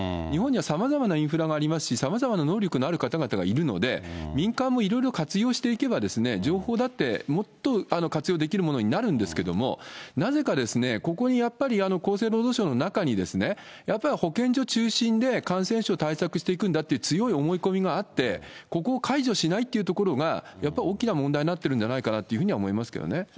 日本にはさまざまなインフラがありますし、さまざまな能力のある方々がいるので、民間もいろいろ活用していけば、情報だってもっと活用できるものになるんですけど、なぜかここにやっぱり、厚生労働省の中に、やっぱり保健所中心で感染症を対策していくんだっていう強い思い込みがあって、ここを解除しないというところが、やっぱり大きな問題になってるんじゃないかなと思いますけどね。